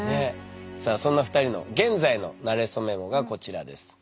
さあそんな２人の現在のなれそメモがこちらです。